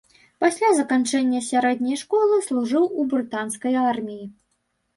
Пасля заканчэння сярэдняй школы служыў у брытанскай арміі.